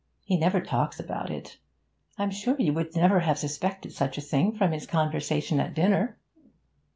He never talks about it. I'm sure you would never have suspected such a thing from his conversation at dinner?'